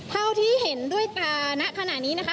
เท่าที่เห็นด้วยตาณขณะนี้นะคะ